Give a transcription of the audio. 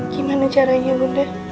gimana caranya bunda